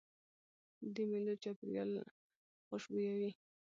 د مېلو چاپېریال خوشبويه وي.